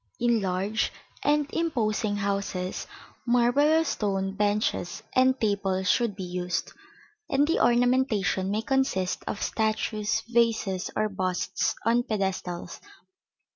In large and imposing houses marble or stone benches and tables should be used, and the ornamentation may consist of statues, vases, or busts on pedestals (see Plate XXIX).